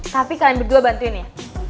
tapi kalian berdua bantuin ya